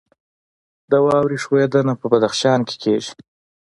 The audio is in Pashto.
د واورې ښویدنه په بدخشان کې کیږي